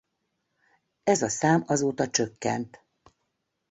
Ez a szám azóta csökkent.